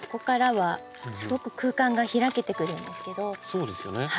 そうですよね。